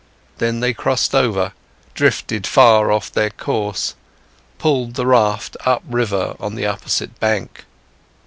Then they crossed over, drifted far off their course, pulled the raft upriver on the opposite bank.